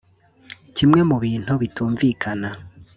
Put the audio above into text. Kimwe mu bintu bitumvikana